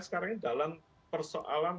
sekarang ini dalam persoalan